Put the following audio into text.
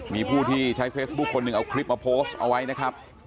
มีผู้ที่ใช้เฟซบุ๊คคนหนึ่งเอาคลิปมาโพสต์เอาไว้นะครับ